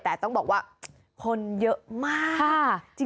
แต่ต้องบอกว่าคนเยอะมาก